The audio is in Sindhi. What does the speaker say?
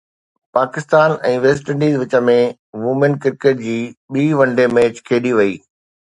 پاڪستان ۽ ويسٽ انڊيز وچ ۾ وومين ڪرڪيٽ جي ٻي ون ڊي ميچ کيڏي وئي